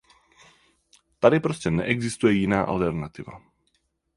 Tady prostě neexistuje jiná alternativa.